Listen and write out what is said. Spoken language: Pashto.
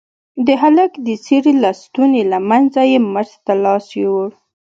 د هلك د څيرې لستوڼي له منځه يې مټ ته لاس يووړ.